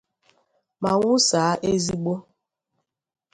ma nwusàá ozigbo